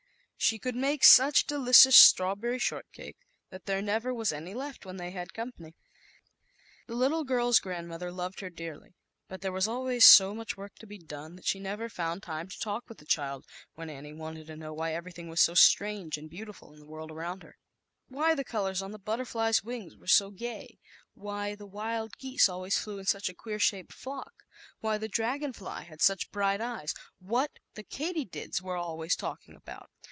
She could make such delicious straw berry shortcake that there never was any left, when they had company. The little girl's grandmother loved her dearly, but there was always so much work to be done, that she never foundllme to talk with the child, when Annie wanted to know why everything was so strange and beautiful in the world around her. Why the ZAUBERLINDA, THE WISE WITCH W//Lm colors on the butterfly's wings were so gay? Why the wild geese always flew in such a queer shaped flock? Why the dragon fly had such bright eyes? What the katydids were always talking about?